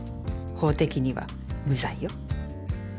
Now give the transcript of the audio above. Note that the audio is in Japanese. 法的には無罪よ。